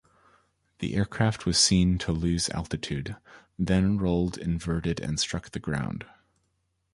The aircraft was seen to lose altitude, then rolled inverted and struck the ground.